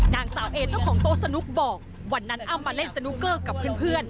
นางสาวเอเจ้าของโต๊ะสนุกบอกวันนั้นอ้ำมาเล่นสนุกเกอร์กับเพื่อน